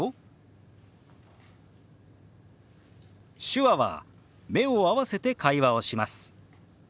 手話は目を合わせて会話をします。